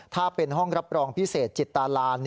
ถ้าเป็นห้องรับรองพิเศษจิตตาลาน